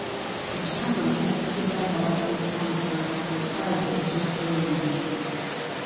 Ekitongole kyatonedde abawala be ky'omusanvu paadi ez'okweyonja.